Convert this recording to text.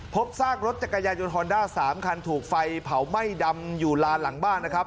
พบซากรถจักรยายนฮอนด้า๓คันถูกไฟเผาไหม้ดำอยู่ลานหลังบ้านนะครับ